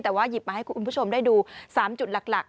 แต่ว่าหยิบมาให้คุณผู้ชมได้ดู๓จุดหลัก